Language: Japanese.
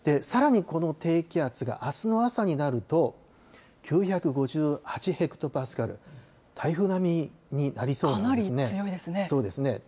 さらにこの低気圧があすの朝になると９５８ヘクトパスカル、台風かなり強いですね。